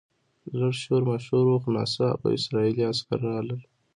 لږ شور ماشور و خو ناڅاپه اسرایلي عسکر راغلل.